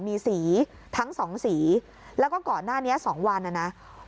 มีสีทั้ง๒สีแล้วก็ก่อนหน้านี้๒วัน